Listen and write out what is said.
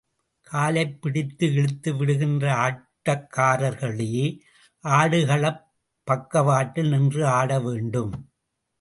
காலைப் பிடித்து இழுத்து விடுகின்ற ஆட்டக்காரர்களே, ஆடுகளப் பக்கவாட்டில் நின்று ஆட வேண்டும்.